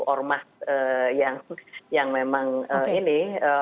ormas yang memang ini